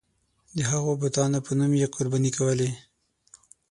د هغو بتانو په نوم یې قرباني کولې.